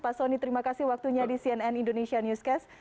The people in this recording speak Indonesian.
pak soni terima kasih waktunya di cnn indonesia newscast